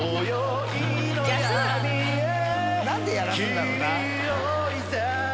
なんでやらすんだろうな。